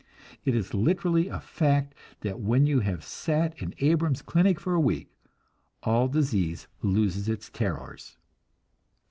It is literally a fact that when you have sat in Abrams' clinic for a week, all disease loses its terrors.